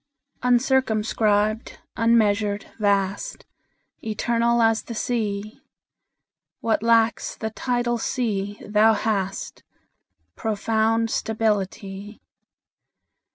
UNCIRCUMSCRIBED, unmeasured, vast, Eternal as the Sea; What lacks the tidal sea thou hast Profound stability.